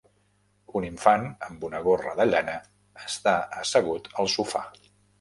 Un infant amb una gorra de llana està assegut al sofà.